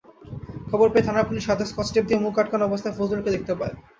খবর পেয়ে থানার পুলিশ সাদা স্কচটেপ দিয়ে মুখ আটকানো অবস্থায় ফজলুরকে দেখতে পায়।